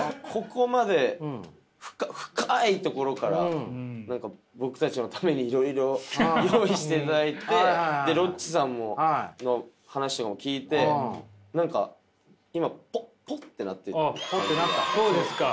ここまで深いところから僕たちのためにいろいろ用意していただいてロッチさんの話も聞いてそうですか。